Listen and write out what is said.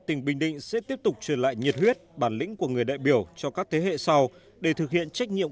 tỉnh bình định sẽ tiếp tục truyền lại nhiệt huyết bản lĩnh của người đại biểu cho các thế hệ sau để thực hiện trách nhiệm